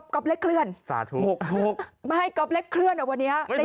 ก็เลยเป็น๓เนี่ย